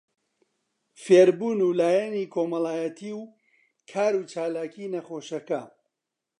فێربوون و لایەنی کۆمەڵایەتی و کاروچالاکی نەخۆشەکە